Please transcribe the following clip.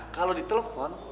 kalau di telepon